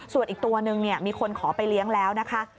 ส่วนอีกตัวนึงมีคนขอไปเลี้ยงแล้วนะคะ